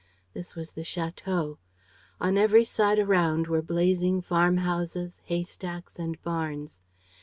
This was the château. On every side around were blazing farmhouses, haystacks and barns.